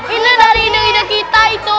ini dari ide ide kita itu